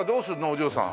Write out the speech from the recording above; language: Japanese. お嬢さん。